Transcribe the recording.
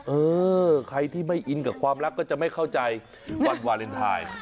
เออใครที่ไม่อินกับความรักก็จะไม่เข้าใจวันวาเลนไทย